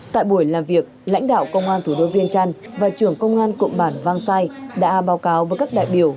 tại buổi làm việc lãnh đạo công an thủ đô viên trăn và trưởng công an cụm bản văng sai đã báo cáo với các đại biểu